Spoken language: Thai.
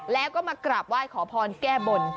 แล้วก็มากราบไหว้ขอพรแก้บน